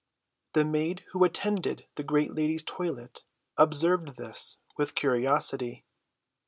The maid who attended the great lady's toilet observed this with curiosity.